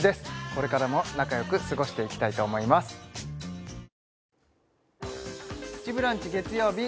これからも仲良く過ごしていきたいと思います「プチブランチ」月曜日